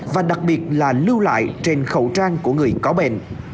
và đặc biệt là lưu lại trên khẩu trang của người có bệnh